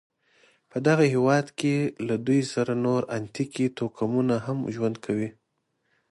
په دغه هېواد کې له دوی سره نور اتنیکي توکمونه هم ژوند کوي.